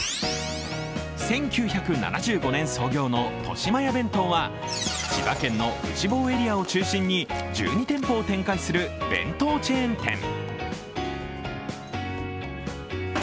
１９７５年創業のとしまや弁当は千葉県の内房エリアを中心に１２店舗を展開する弁当チェーン店。